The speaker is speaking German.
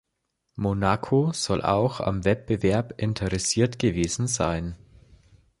Monaco soll auch am Wettbewerb interessiert gewesen sein.